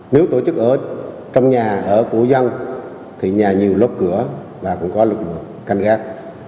nếu tổ chức ở trong nhà ở của dân thì nhà nhiều lốp cửa và cũng có lực lượng canh gác